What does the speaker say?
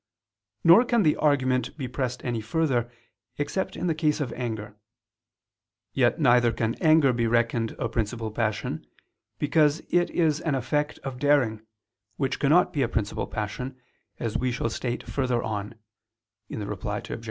Nor can the argument be pressed any further except in the case of anger: yet neither can anger be reckoned a principal passion, because it is an effect of daring, which cannot be a principal passion, as we shall state further on (Reply Obj.